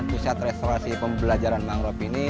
pusat restorasi pembelajaran mangrove ini